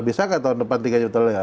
bisa nggak tahun depan tiga juta